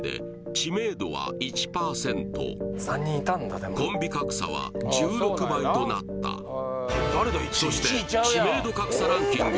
知名度は１％コンビ格差は１６倍となったそして知名度格差ランキング